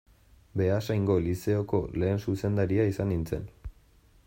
Beasaingo Lizeoko lehen zuzendaria izan nintzen.